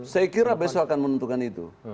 saya kira besok akan menentukan itu